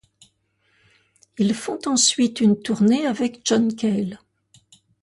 Ils font ensuite une tournée avec John Cale.